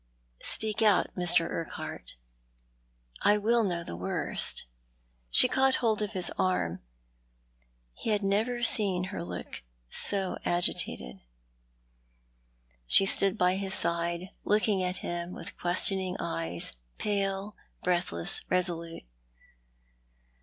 Speak out, Mr. Urquhart. I will know the worst." She caught hold of his arm. He had never seen her so agitated. She stood by his side, looking at him with questioning eyes, pale, breathless, resolule.